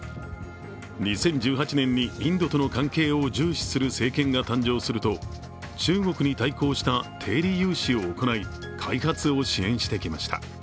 ２０１８年にインドとの関係を重視する政権が誕生すると中国に対抗した低利融資を行い、開発を支援してきました。